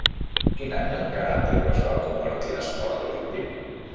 Quin any el karate es va convertir en esport olímpic?